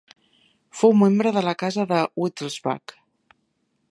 Fou membre de la Casa de Wittelsbach.